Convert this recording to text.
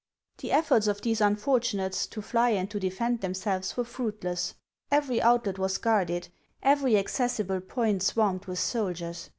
The efforts of these unfortunates to fly and to defend themselves were fruitless. Every outlet was guarded ; every accessible point swarmed with soldiers.